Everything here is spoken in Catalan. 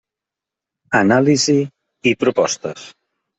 Anàlisi i propostes.